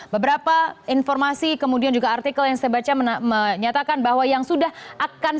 beberapa informasi kemudian juga artikel yang saya baca menyatakan bahwa yang sudah akan